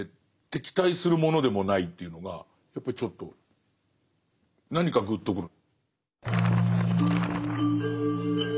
敵対するものでもないというのがやっぱりちょっと何かぐっとくる。